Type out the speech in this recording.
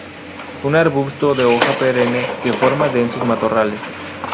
Un arbusto de hoja perenne que forma densos matorrales.